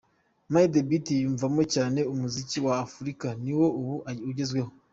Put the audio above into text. Madebeat yiyumvamo cyane “Umuziki wa Afurika ni wo ubu ugezweho.